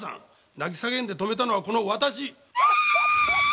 泣き叫んで止めたのはこの私！